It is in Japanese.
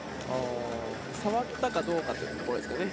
触ったかどうかというところですかね。